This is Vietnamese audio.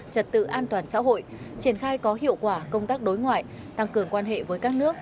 trật tự an toàn xã hội triển khai có hiệu quả công tác đối ngoại tăng cường quan hệ với các nước